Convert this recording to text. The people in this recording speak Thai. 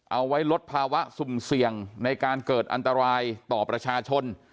เอาไว้ลดภาวะสุ่มเสี่ยงในการเกิดอันตรายต่อประชาชน